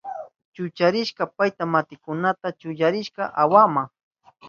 Atarishpan payka makinkunata chutarirka awama.